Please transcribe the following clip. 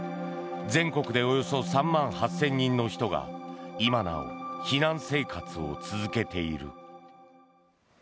全国でおよそ３万８０００人の人が今なお避難生活を続けている。